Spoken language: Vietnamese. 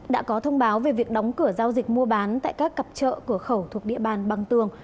đã có thông báo về việc đóng cửa giao dịch mua bán tại các cặp chợ cửa khẩu thuộc địa bàn bằng tường